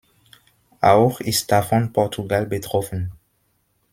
Auch ist davon Portugal betroffen.